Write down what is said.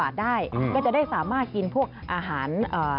สังขทานอาหาร